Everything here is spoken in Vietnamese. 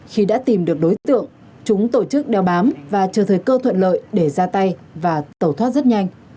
khi đã tìm được đối tượng chúng tổ chức đeo bám và chờ thời cơ thuận lợi để ra tay và tẩu thoát rất nhanh